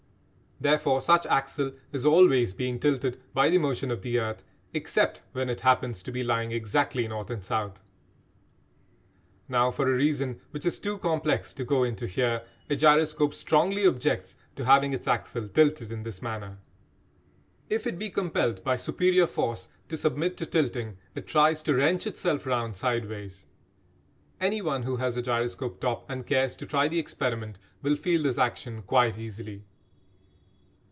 Therefore such axle is always being tilted by the motion of the earth, except when it happens to be lying exactly north and south. Now for a reason which is too complex to go into here a gyroscope strongly objects to having its axle tilted in this manner. If it be compelled by superior force to submit to tilting, it tries to wrench itself round sideways. Anyone who has a gyroscope top and cares to try the experiment will feel this action quite easily.